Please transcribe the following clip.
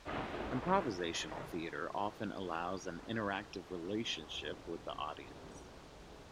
Improvisational theatre often allows an interactive relationship with the audience.